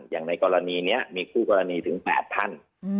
อย่างในกรณีนี้มีคู่กรณีถึง๘ท่าน